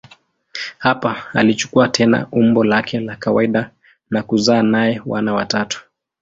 Hapa alichukua tena umbo lake la kawaida na kuzaa naye wana watatu.